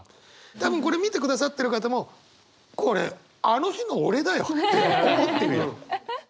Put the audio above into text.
多分これ見てくださってる方も「これあの日の俺だよ」って思ってるよ。